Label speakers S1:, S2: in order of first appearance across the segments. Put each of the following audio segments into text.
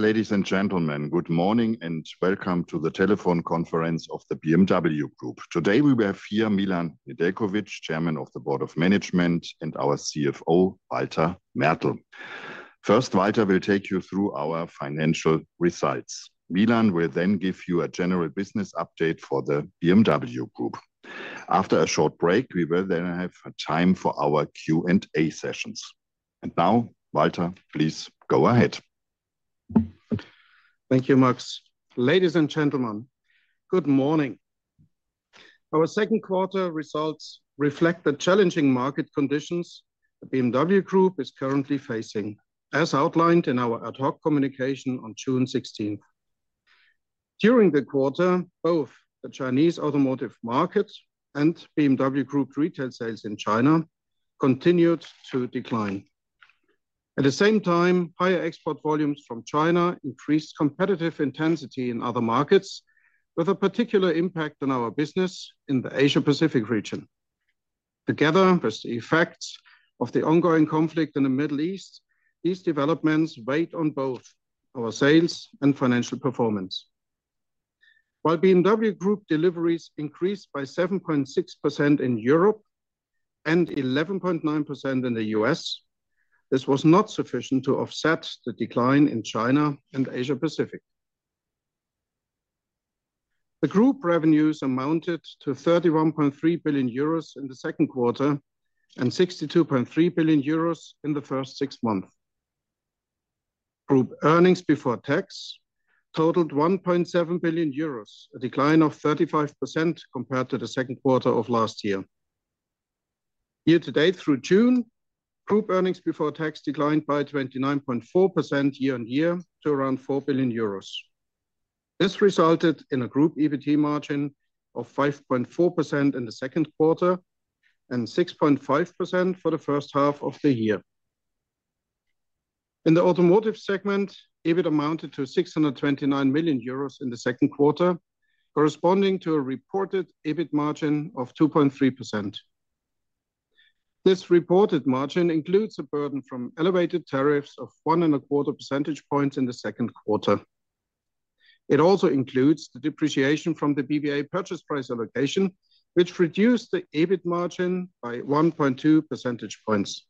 S1: Ladies and gentlemen, good morning and welcome to the telephone conference of the BMW Group. Today, we have here Milan Nedeljković, Chairman of the Board of Management, and our CFO, Walter Mertl. First, Walter will take you through our financial results. Milan will give you a general business update for the BMW Group. After a short break, we will have time for our Q&A sessions. Now, Walter, please go ahead.
S2: Thank you, Max. Ladies and gentlemen, good morning. Our second quarter results reflect the challenging market conditions the BMW Group is currently facing, as outlined in our ad hoc communication on June 16th. During the quarter, both the Chinese automotive market and BMW Group retail sales in China continued to decline. At the same time, higher export volumes from China increased competitive intensity in other markets, with a particular impact on our business in the Asia-Pacific region. Together with the effects of the ongoing conflict in the Middle East, these developments weighed on both our sales and financial performance. While BMW Group deliveries increased by 7.6% in Europe and 11.9% in the U.S., this was not sufficient to offset the decline in China and Asia-Pacific. The group revenues amounted to 31.3 billion euros in the second quarter and 62.3 billion euros in the first six months. Group earnings before tax totaled 1.7 billion euros, a decline of 35% compared to the second quarter of last year. Year-to-date through June, group earnings before tax declined by 29.4% year-on-year to around 4 billion euros. This resulted in a group EBT margin of 5.4% in the second quarter and 6.5% for the first half of the year. In the automotive segment, EBIT amounted to 629 million euros in the second quarter, corresponding to a reported EBIT margin of 2.3%. This reported margin includes a burden from elevated tariffs of 1.25 percentage points in the second quarter. It also includes the depreciation from the BBA purchase price allocation, which reduced the EBIT margin by 1.2 percentage points.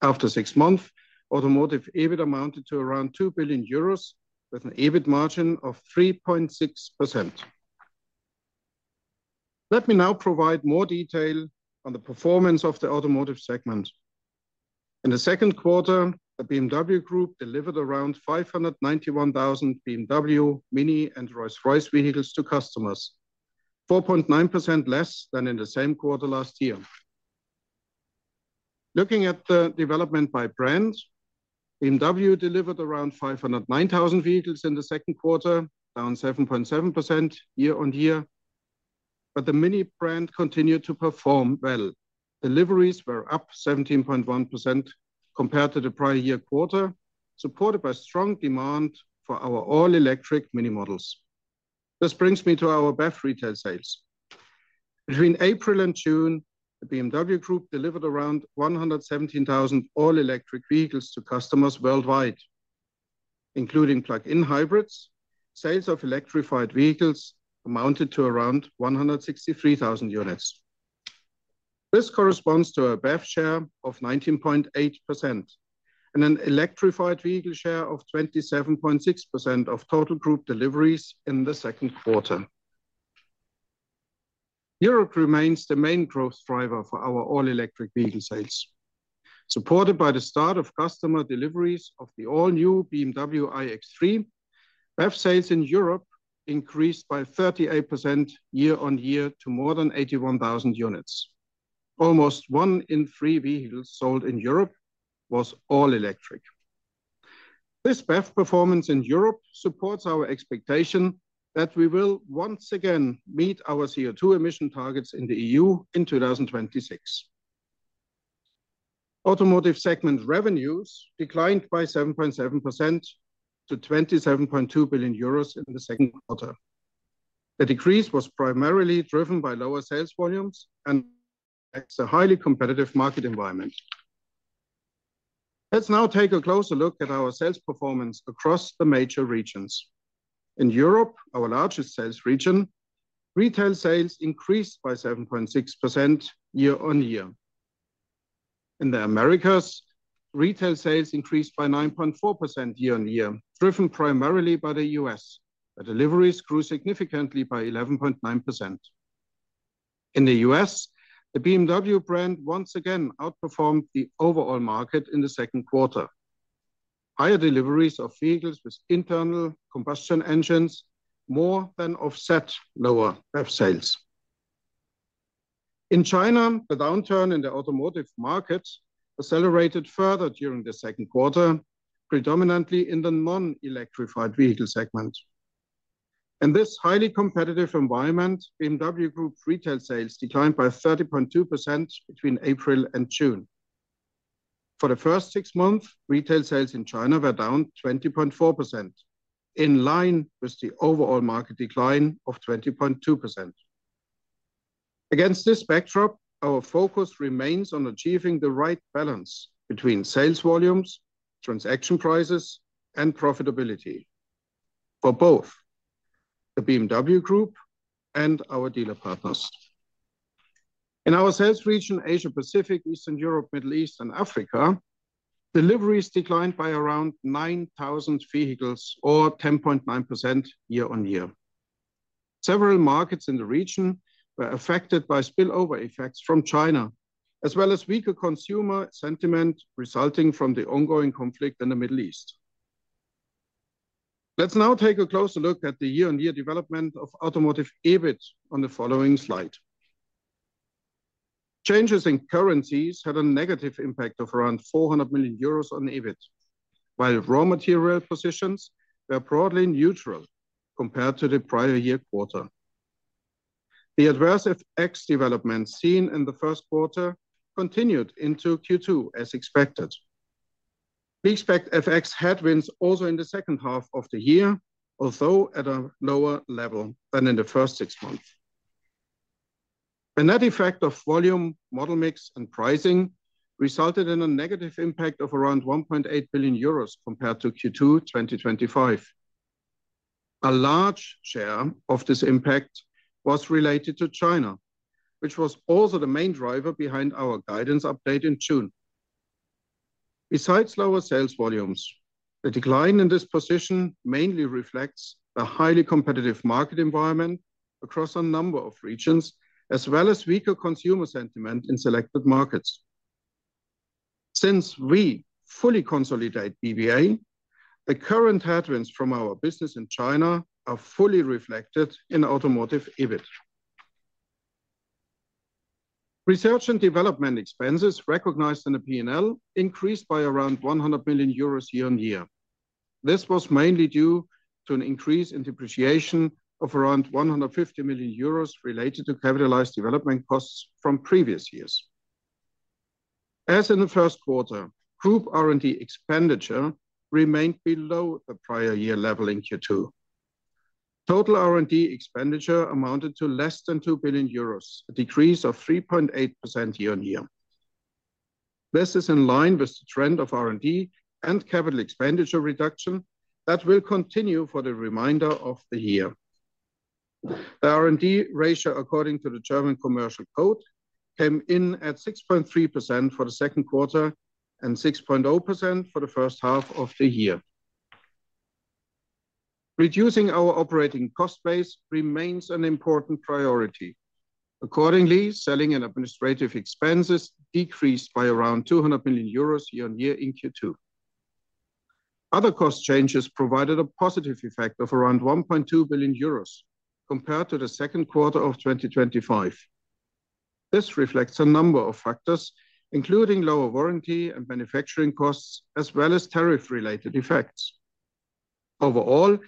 S2: After six months, automotive EBIT amounted to around 2 billion euros with an EBIT margin of 3.6%. Let me now provide more detail on the performance of the automotive segment. In the second quarter, the BMW Group delivered around 591,000 BMW, MINI, and Rolls-Royce vehicles to customers, 4.9% less than in the same quarter last year. Looking at the development by brand, BMW delivered around 509,000 vehicles in the second quarter, down 7.7% year-on-year. The MINI brand continued to perform well. Deliveries were up 17.1% compared to the prior year quarter, supported by strong demand for our all-electric MINI models. This brings me to our BEV retail sales. Between April and June, the BMW Group delivered around 117,000 all-electric vehicles to customers worldwide, including plug-in hybrids. Sales of electrified vehicles amounted to around 163,000 units. This corresponds to a BEV share of 19.8% and an electrified vehicle share of 27.6% of total group deliveries in the second quarter. Europe remains the main growth driver for our all-electric vehicle sales. Supported by the start of customer deliveries of the all-new BMW iX3, BEV sales in Europe increased by 38% year-on-year to more than 81,000 units. Almost one in three vehicles sold in Europe was all electric. This BEV performance in Europe supports our expectation that we will once again meet our CO2 emission targets in the EU in 2026. Automotive segment revenues declined by 7.7% to 27.2 billion euros in the second quarter. The decrease was primarily driven by lower sales volumes and a highly competitive market environment. Let's now take a closer look at our sales performance across the major regions. In Europe, our largest sales region, retail sales increased by 7.6% year-on-year. In the Americas, retail sales increased by 9.4% year-on-year, driven primarily by the U.S., where deliveries grew significantly by 11.9%. In the U.S., the BMW brand once again outperformed the overall market in the second quarter. Higher deliveries of vehicles with internal combustion engines more than offset lower BEV sales. In China, the downturn in the automotive market accelerated further during the second quarter, predominantly in the non-electrified vehicle segment. In this highly competitive environment, BMW Group retail sales declined by 30.2% between April and June. For the first six months, retail sales in China were down 20.4%, in line with the overall market decline of 20.2%. Against this backdrop, our focus remains on achieving the right balance between sales volumes, transaction prices, and profitability for both the BMW Group and our dealer partners. In our sales region, Asia Pacific, Eastern Europe, Middle East, and Africa, deliveries declined by around 9,000 vehicles or 10.9% year-on-year. Several markets in the region were affected by spillover effects from China, as well as weaker consumer sentiment resulting from the ongoing conflict in the Middle East. Let's now take a closer look at the year-on-year development of automotive EBIT on the following slide. Changes in currencies had a negative impact of around 400 million euros on EBIT, while raw material positions were broadly neutral compared to the prior year quarter. The adverse FX development seen in the first quarter continued into Q2 as expected. We expect FX headwinds also in the second half of the year, although at a lower level than in the first six months. The net effect of volume, model mix, and pricing resulted in a negative impact of around 1.8 billion euros compared to Q2 2025. A large share of this impact was related to China, which was also the main driver behind our guidance update in June. Besides lower sales volumes, the decline in this position mainly reflects the highly competitive market environment across a number of regions, as well as weaker consumer sentiment in selected markets. Since we fully consolidate BBA, the current headwinds from our business in China are fully reflected in automotive EBIT. Research and development expenses recognized in the P&L increased by around 100 million euros year-on-year. This was mainly due to an increase in depreciation of around 150 million euros related to capitalized development costs from previous years. As in the first quarter, group R&D expenditure remained below the prior year level in Q2. Total R&D expenditure amounted to less than 2 billion euros, a decrease of 3.8% year-on-year. This is in line with the trend of R&D and capital expenditure reduction that will continue for the remainder of the year. The R&D ratio, according to the German Commercial Code, came in at 6.3% for the second quarter and 6.0% for the first half of the year. Reducing our operating cost base remains an important priority. Accordingly, selling and administrative expenses decreased by around 200 million euros year-over-year in Q2. Other cost changes provided a positive effect of around 1.2 billion euros compared to the second quarter of 2025. This reflects a number of factors, including lower warranty and manufacturing costs, as well as tariff-related effects. Overall,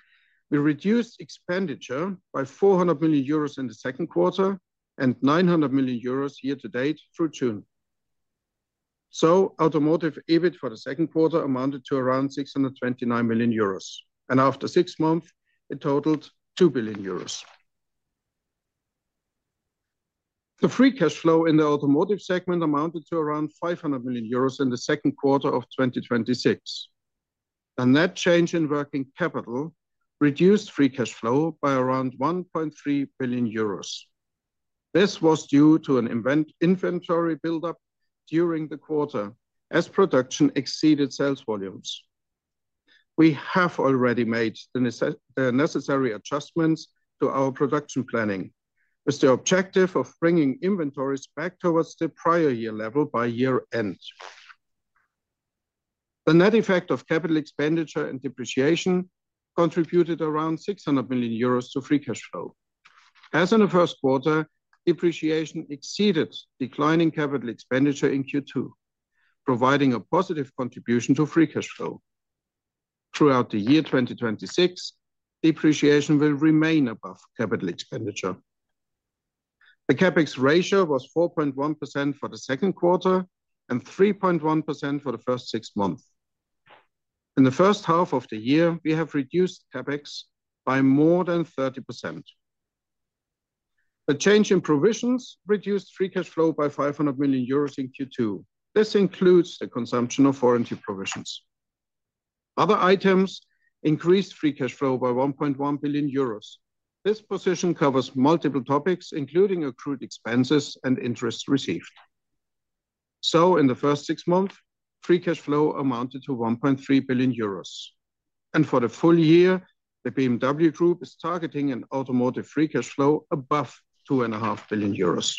S2: we reduced expenditure by 400 million euros in the second quarter and 900 million euros year-to-date through June. Automotive EBIT for the second quarter amounted to around 629 million euros, and after six months it totaled 2 billion euros. The free cash flow in the automotive segment amounted to around 500 million euros in the second quarter of 2026. The net change in working capital reduced free cash flow by around 1.3 billion euros. This was due to an inventory buildup during the quarter as production exceeded sales volumes. We have already made the necessary adjustments to our production planning with the objective of bringing inventories back towards the prior year level by year end. The net effect of capital expenditure and depreciation contributed around 600 million euros to free cash flow. As in the first quarter, depreciation exceeded declining capital expenditure in Q2, providing a positive contribution to free cash flow. Throughout the year 2026, depreciation will remain above capital expenditure. The CapEx ratio was 4.1% for the second quarter and 3.1% for the first six months. In the first half of the year, we have reduced CapEx by more than 30%. The change in provisions reduced free cash flow by 500 million euros in Q2. This includes the consumption of warranty provisions. Other items increased free cash flow by 1.1 billion euros. This position covers multiple topics, including accrued expenses and interest received. In the first six months, free cash flow amounted to 1.3 billion euros. For the full year, the BMW Group is targeting an automotive free cash flow above 2.5 billion euros.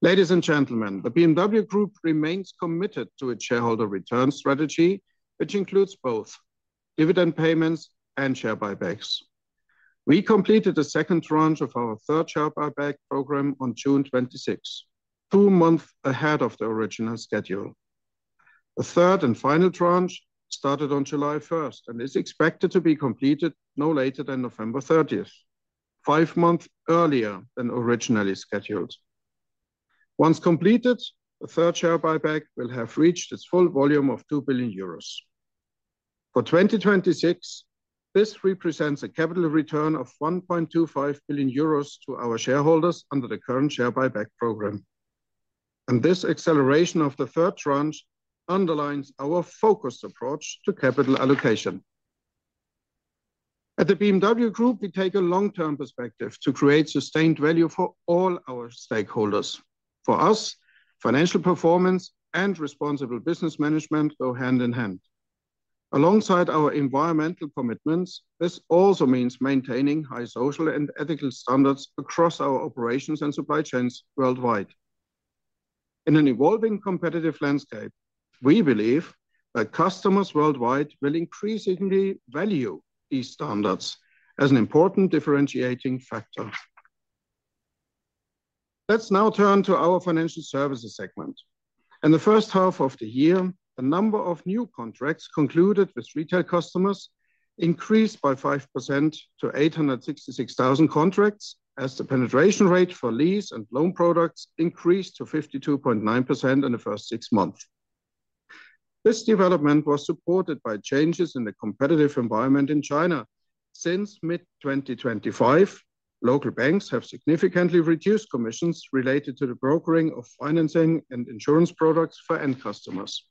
S2: Ladies and gentlemen, the BMW Group remains committed to its shareholder return strategy, which includes both dividend payments and share buybacks. We completed the second tranche of our third share buyback program on June 26th, two months ahead of the original schedule. The third and final tranche started on July 1st and is expected to be completed no later than November 30th, five months earlier than originally scheduled. Once completed, the third share buyback will have reached its full volume of 2 billion euros. For 2026, this represents a capital return of 1.25 billion euros to our shareholders under the current share buyback program. This acceleration of the third tranche underlines our focused approach to capital allocation. At the BMW Group, we take a long-term perspective to create sustained value for all our stakeholders. For us, financial performance and responsible business management go hand in hand. Alongside our environmental commitments, this also means maintaining high social and ethical standards across our operations and supply chains worldwide. In an evolving competitive landscape, we believe that customers worldwide will increasingly value these standards as an important differentiating factor. Let's now turn to our financial services segment. In the first half of the year, the number of new contracts concluded with retail customers increased by 5% to 866,000 contracts, as the penetration rate for lease and loan products increased to 52.9% in the first six months. This development was supported by changes in the competitive environment in China. Since mid-2025, local banks have significantly reduced commissions related to the brokering of financing and insurance products for end customers.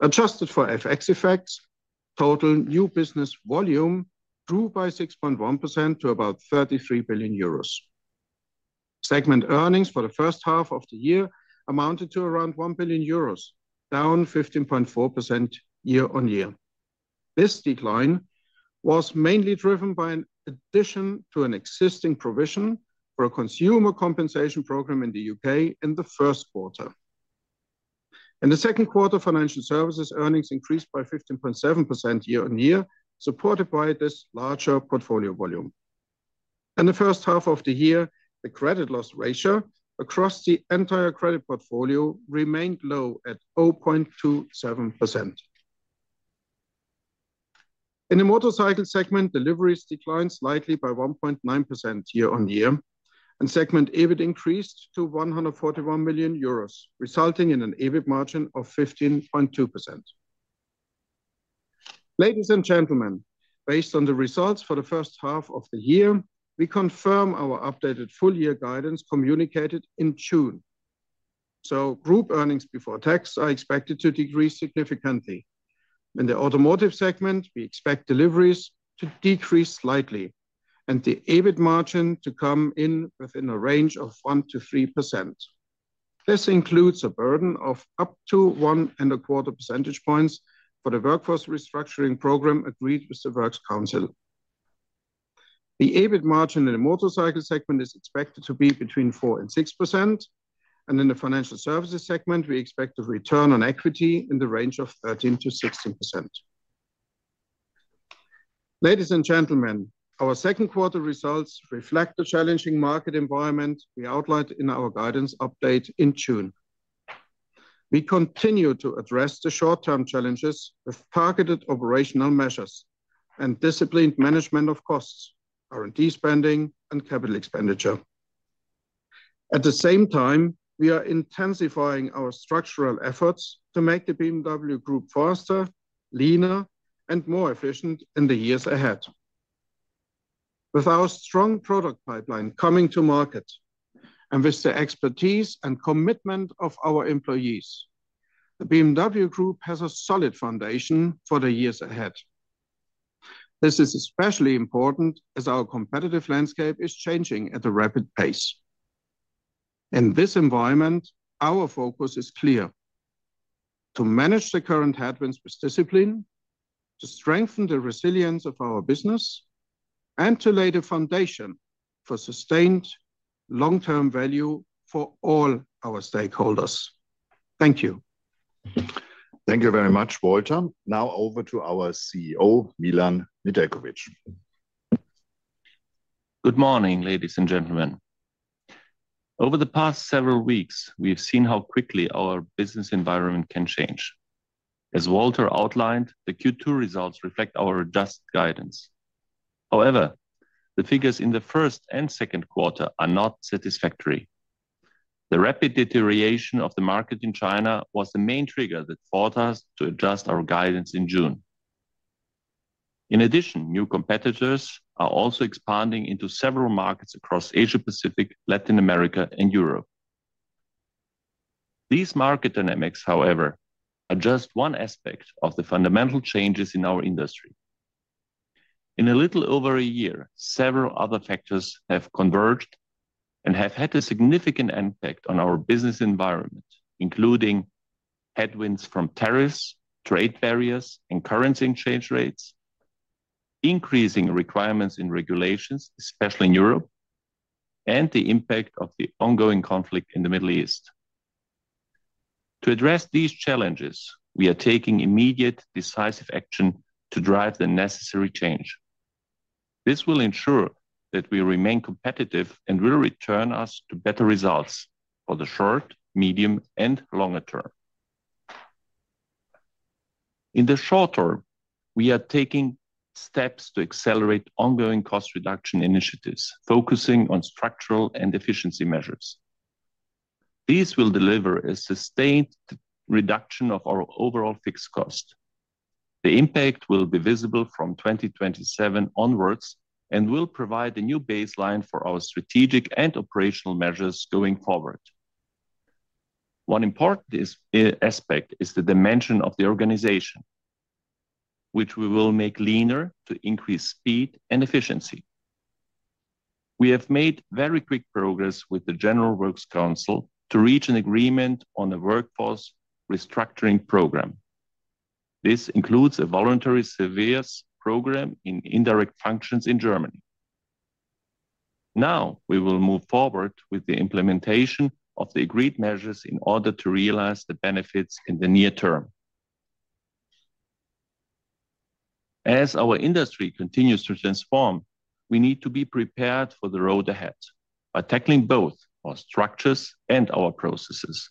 S2: Adjusted for FX effects, total new business volume grew by 6.1% to about 33 billion euros. Segment earnings for the first half of the year amounted to around 1 billion euros, down 15.4% year-on-year. This decline was mainly driven by an addition to an existing provision for a consumer compensation program in the U.K. in the first quarter. In the second quarter, financial services earnings increased by 15.7% year-on-year, supported by this larger portfolio volume. In the first half of the year, the credit loss ratio across the entire credit portfolio remained low at 0.27%. In the motorcycle segment, deliveries declined slightly by 1.9% year-on-year, and segment EBIT increased to 141 million euros, resulting in an EBIT margin of 15.2%. Ladies and gentlemen, based on the results for the first half of the year, we confirm our updated full year guidance communicated in June. Group earnings before tax are expected to decrease significantly. In the automotive segment, we expect deliveries to decrease slightly and the EBIT margin to come in within a range of 1%-3%. This includes a burden of up to 1.25 percentage points for the workforce restructuring program agreed with the Works Council. The EBIT margin in the motorcycle segment is expected to be between 4% and 6%, and in the financial services segment, we expect a return on equity in the range of 13%-16%. Ladies and gentlemen, our second quarter results reflect the challenging market environment we outlined in our guidance update in June. We continue to address the short-term challenges with targeted operational measures and disciplined management of costs, R&D spending, and capital expenditure. At the same time, we are intensifying our structural efforts to make the BMW Group faster, leaner, and more efficient in the years ahead. With our strong product pipeline coming to market and with the expertise and commitment of our employees, the BMW Group has a solid foundation for the years ahead. This is especially important as our competitive landscape is changing at a rapid pace. In this environment, our focus is clear: to manage the current headwinds with discipline, to strengthen the resilience of our business, and to lay the foundation for sustained long-term value for all our stakeholders. Thank you.
S1: Thank you very much, Walter. Now over to our CEO, Milan Nedeljković.
S3: Good morning, ladies and gentlemen. Over the past several weeks, we have seen how quickly our business environment can change. As Walter outlined, the Q2 results reflect our adjusted guidance. The figures in the first and second quarter are not satisfactory. The rapid deterioration of the market in China was the main trigger that forced us to adjust our guidance in June. New competitors are also expanding into several markets across Asia-Pacific, Latin America, and Europe. These market dynamics, however, are just one aspect of the fundamental changes in our industry. In a little over a year, several other factors have converged and have had a significant impact on our business environment, including headwinds from tariffs, trade barriers and currency exchange rates, increasing requirements in regulations, especially in Europe, and the impact of the ongoing conflict in the Middle East. To address these challenges, we are taking immediate, decisive action to drive the necessary change. This will ensure that we remain competitive and will return us to better results for the short, medium, and longer term. In the short term, we are taking steps to accelerate ongoing cost reduction initiatives, focusing on structural and efficiency measures. These will deliver a sustained reduction of our overall fixed cost. The impact will be visible from 2027 onwards and will provide a new baseline for our strategic and operational measures going forward. One important aspect is the dimension of the organization, which we will make leaner to increase speed and efficiency. We have made very quick progress with the General Works Council to reach an agreement on a workforce restructuring program. This includes a voluntary severance program in indirect functions in Germany. We will move forward with the implementation of the agreed measures in order to realize the benefits in the near term. As our industry continues to transform, we need to be prepared for the road ahead by tackling both our structures and our processes.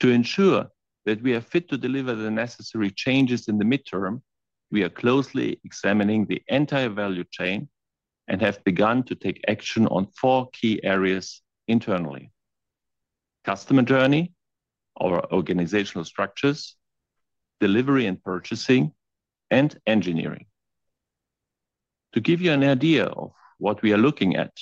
S3: To ensure that we are fit to deliver the necessary changes in the midterm, we are closely examining the entire value chain and have begun to take action on four key areas internally: customer journey, our organizational structures, delivery and purchasing, and engineering. To give you an idea of what we are looking at,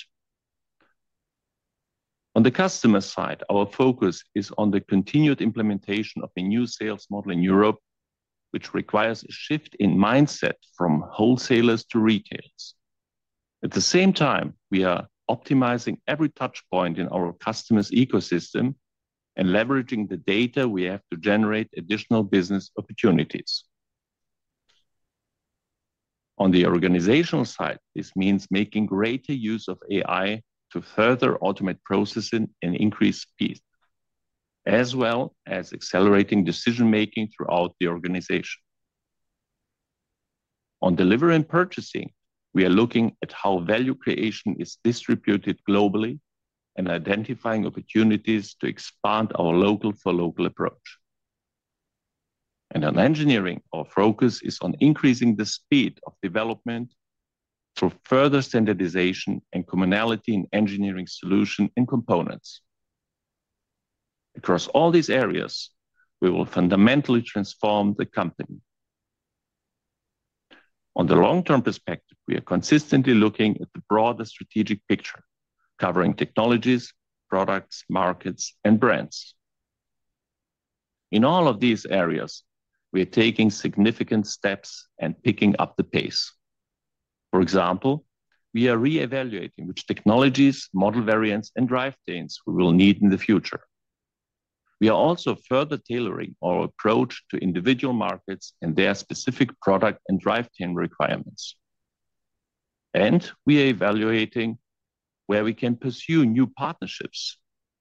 S3: on the customer side, our focus is on the continued implementation of a new sales model in Europe, which requires a shift in mindset from wholesalers to retailers. We are optimizing every touch point in our customer's ecosystem and leveraging the data we have to generate additional business opportunities. On the organizational side, this means making greater use of AI to further automate processing and increase speed, as well as accelerating decision-making throughout the organization. On delivery and purchasing, we are looking at how value creation is distributed globally and identifying opportunities to expand our local for local approach. On engineering, our focus is on increasing the speed of development through further standardization and commonality in engineering solution and components. Across all these areas, we will fundamentally transform the company. On the long-term perspective, we are consistently looking at the broader strategic picture, covering technologies, products, markets, and brands. In all of these areas, we are taking significant steps and picking up the pace. For example, we are reevaluating which technologies, model variants, and drivetrains we will need in the future. We are also further tailoring our approach to individual markets and their specific product and drivetrain requirements. We are evaluating where we can pursue new partnerships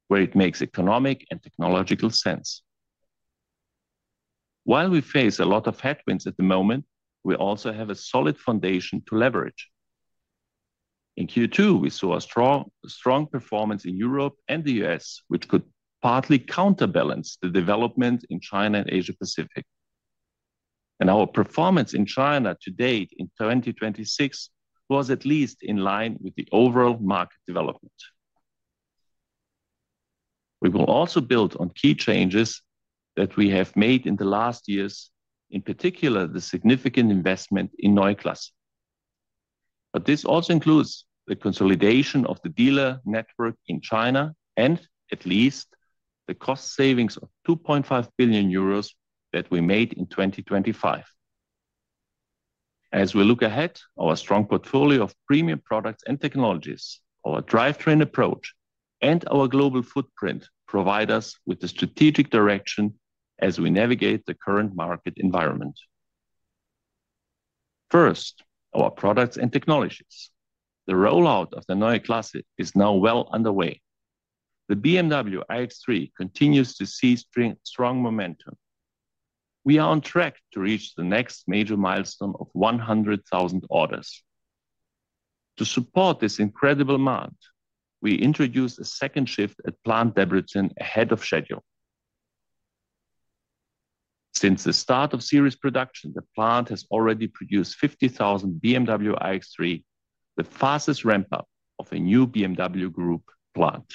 S3: where it makes economic and technological sense. While we face a lot of headwinds at the moment, we also have a solid foundation to leverage. In Q2, we saw a strong performance in Europe and the U.S., which could partly counterbalance the development in China and Asia Pacific. Our performance in China to date in 2026 was at least in line with the overall market development. We will also build on key changes that we have made in the last years, in particular, the significant investment in Neue Klasse. This also includes the consolidation of the dealer network in China and at least the cost savings of 2.5 billion euros that we made in 2025. As we look ahead, our strong portfolio of premium products and technologies, our drivetrain approach, and our global footprint provide us with the strategic direction as we navigate the current market environment. First, our products and technologies. The rollout of the Neue Klasse is now well underway. The BMW iX3 continues to see strong momentum. We are on track to reach the next major milestone of 100,000 orders. To support this incredible amount, we introduced a second shift at Plant Debrecen ahead of schedule. Since the start of series production, the plant has already produced 50,000 BMW iX3, the fastest ramp-up of a new BMW Group plant.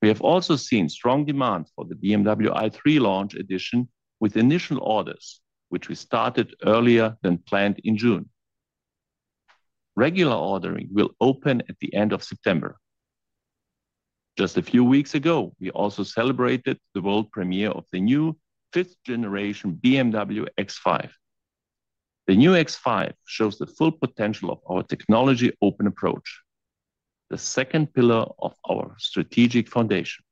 S3: We have also seen strong demand for the BMW i3 Launch Edition with initial orders, which we started earlier than planned in June. Regular ordering will open at the end of September. Just a few weeks ago, we also celebrated the world premiere of the new fifth-generation BMW X5. The new X5 shows the full potential of our technology-open approach, the second pillar of our strategic foundation.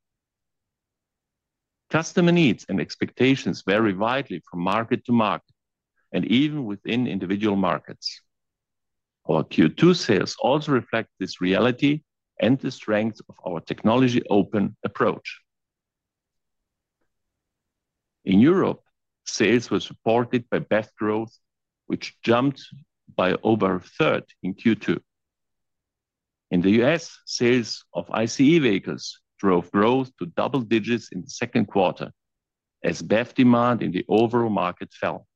S3: Customer needs and expectations vary widely from market to market and even within individual markets. Our Q2 sales also reflect this reality and the strength of our technology-open approach. In Europe, sales were supported by BEV growth, which jumped by over a third in Q2. In the U.S., sales of ICE vehicles drove growth to double digits in the second quarter as BEV demand in the overall market fell.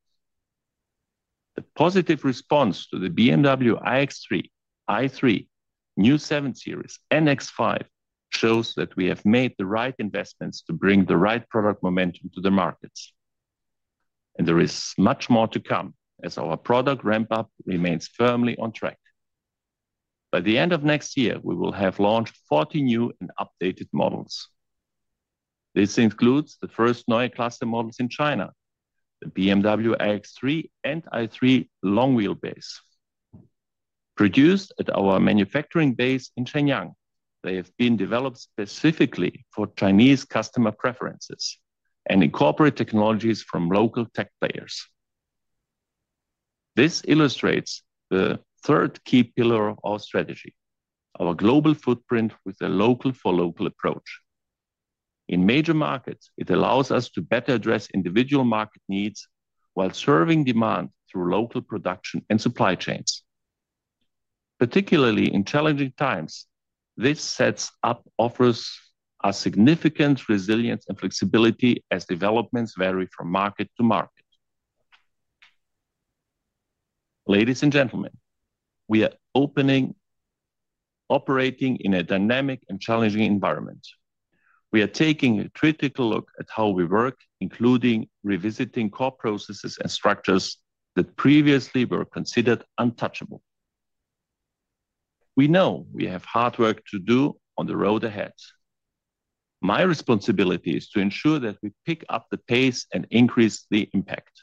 S3: The positive response to the BMW iX3, i3, new BMW 7 Series, and X5 shows that we have made the right investments to bring the right product momentum to the markets, and there is much more to come as our product ramp-up remains firmly on track. By the end of next year, we will have launched 40 new and updated models. This includes the first Neue Klasse models in China, the BMW iX3 and i3 Long-Wheelbase. Produced at our manufacturing base in Shenyang, they have been developed specifically for Chinese customer preferences and incorporate technologies from local tech players. This illustrates the third key pillar of our strategy, our global footprint with a local-for-local approach. In major markets, it allows us to better address individual market needs while serving demand through local production and supply chains. Particularly in challenging times, this offers a significant resilience and flexibility as developments vary from market to market. Ladies and gentlemen, we are operating in a dynamic and challenging environment. We are taking a critical look at how we work, including revisiting core processes and structures that previously were considered untouchable. We know we have hard work to do on the road ahead. My responsibility is to ensure that we pick up the pace and increase the impact.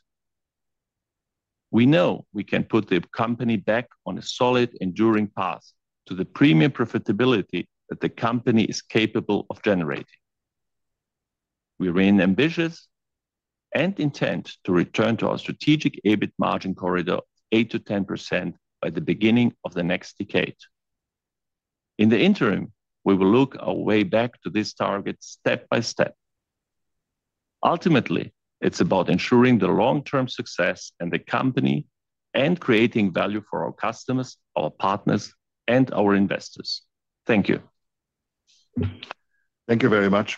S3: We know we can put the company back on a solid, enduring path to the premium profitability that the company is capable of generating. We remain ambitious and intent to return to our strategic EBIT margin corridor, 8%-10%, by the beginning of the next decade. In the interim, we will look our way back to this target step by step. Ultimately, it's about ensuring the long-term success in the company and creating value for our customers, our partners, and our investors. Thank you.
S1: Thank you very much